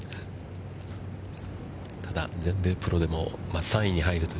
ただ、全米プロでも３位に入ると